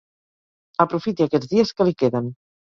Aprofiti aquests dies que li queden.